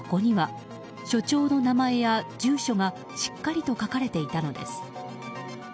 そこには、所長の名前や住所がしっかりと書かれていたのです。